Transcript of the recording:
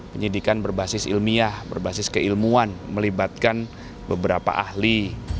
penyidikan berbasis ilmiah berbasis keilmuan melibatkan beberapa ahli